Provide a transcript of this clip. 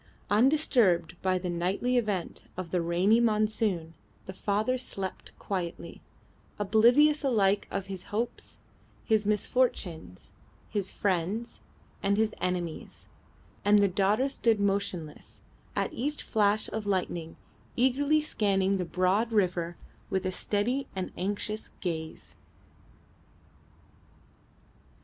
Undisturbed by the nightly event of the rainy monsoon, the father slept quietly, oblivious alike of his hopes, his misfortunes, his friends, and his enemies; and the daughter stood motionless, at each flash of lightning eagerly scanning the broad river with a steady and anxious gaze.